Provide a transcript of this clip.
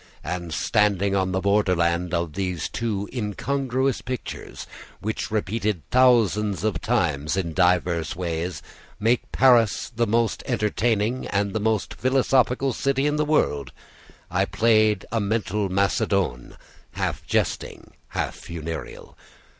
And, standing on the borderland of those two incongruous pictures, which repeated thousands of times in diverse ways, make Paris the most entertaining and most philosophical city in the world, I played a mental _macedoine_[*], half jesting, half funereal.